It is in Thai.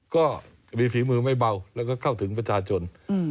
ก็มีฝีมือไม่เบาแล้วก็เข้าถึงประชาชน